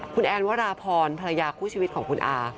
คุณแอนวราพรภรรยาคู่ชีวิตของคุณอา